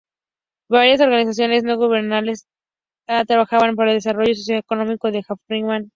Varias organizaciones no gubernamentales de Bangladesh trabajan para el desarrollo socioeconómico de Afganistán.